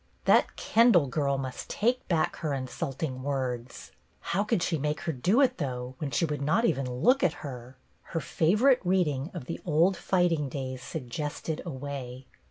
That Kendall girl must take back her insulting words. How could she make her do it, though, when she would not even look at her.? Her favorite reading of the old fighting days suggested a way.